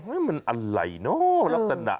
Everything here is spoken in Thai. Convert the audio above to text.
มันอะไรเนอะลักษณะ